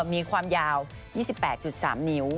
มีความยาว๒๘๓นิ้ว